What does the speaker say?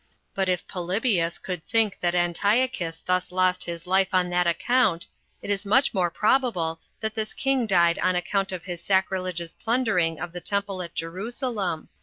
But if Polybius could think that Antiochus thus lost his life on that account, it is much more probable that this king died on account of his sacrilegious plundering of the temple at Jerusalem.